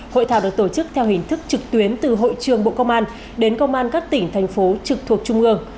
hội thảo được tổ chức theo hình thức trực tuyến từ hội trường bộ công an đến công an các tỉnh thành phố trực thuộc trung ương